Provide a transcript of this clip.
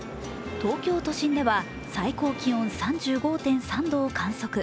東京都心では最高気温３５．３度を観測。